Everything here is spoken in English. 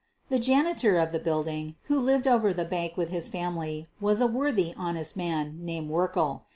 The janitor of the building, who lived over the bank with his family, was a worthy, honest man ' named Werkle.